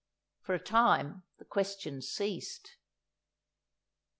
For a time, the questions ceased.